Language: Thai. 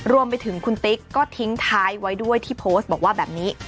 รวมไปถึงคุณติ๊กก็ทิ้งท้ายไว้ด้วยที่โพสต์บอกว่าแบบนี้